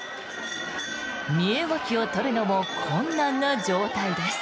身動きを取るのも困難な状態です。